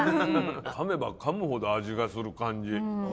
かめばかむほど味がする感じ。